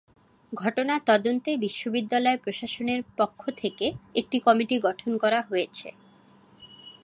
ঘটনা তদন্তে বিশ্ববিদ্যালয় প্রশাসনের পক্ষ থেকে একটি কমিটি গঠন করা হয়েছে।